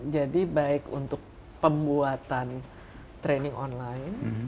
jadi baik untuk pembuatan training online